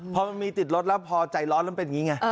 พอมันมีติดรถแล้วพอใจร้อนแล้วมันเป็นอย่างนี้ไง